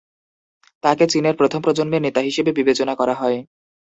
তাকে চীনের প্রথম প্রজন্মের নেতা হিসেবে বিবেচনা করা হয়।